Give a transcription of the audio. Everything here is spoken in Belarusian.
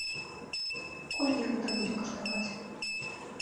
Колькі гэта будзе каштаваць?